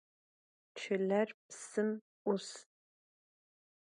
Çıler psım 'us.